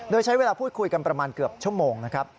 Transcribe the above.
โดยใช้เวลาพูดคุยกันประมาณเกือบชั่วโมงนะครับ